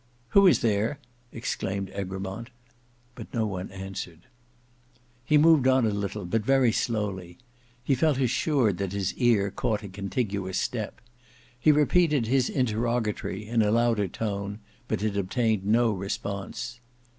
"Who is there?" exclaimed Egremont. But no one answered. He moved on a little, but very slowly. He felt assured that his ear caught a contiguous step. He repeated his interrogatory in a louder tone, but it obtained no response.